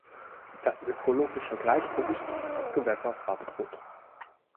Das ökologische Gleichgewicht des Gewässers war bedroht.